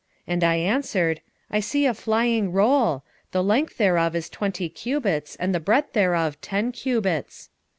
And I answered, I see a flying roll; the length thereof is twenty cubits, and the breadth thereof ten cubits.